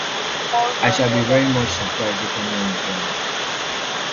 I shall be very much surprised if anyone is wrong.